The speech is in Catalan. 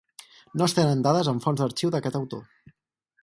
No es tenen dades en fonts d'arxiu d'aquest autor.